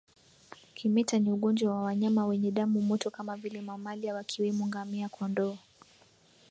Kimeta ni ugonjwa wa wanyama wenye damu moto kama vile mamalia wakiwemo ngamia kondoo